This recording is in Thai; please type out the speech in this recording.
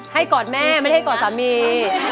กอดแม่ไม่ให้กอดสามี